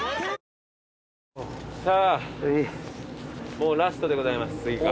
もうラストでございます次が。